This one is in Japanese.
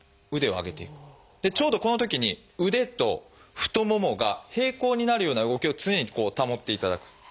ちょうどこのときに腕と太ももが平行になるような動きを常に保っていただく。